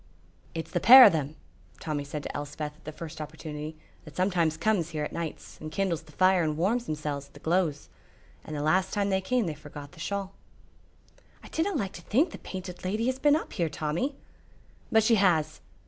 "It's the pair o' them," Tommy said to Elspeth at the first opportunity, "that sometimes comes here at nights and kindles the fire and warms themsels at the gloze. And the last time they came they forgot the shawl." "I dinna like to think the Painted Lady has been up here, Tommy." "But she has.